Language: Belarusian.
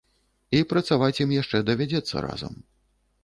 І працаваць ім яшчэ давядзецца разам.